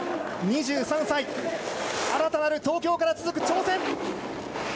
２３歳、新たなる東京から続く挑戦。